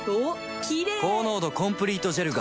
キレイ高濃度コンプリートジェルが